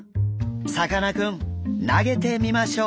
さかなクン投げてみましょう。